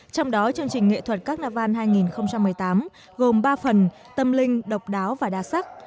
trong đó chương trình nghệ thuật các nà văn hai nghìn một mươi tám gồm ba phần tâm linh độc đáo và đa sắc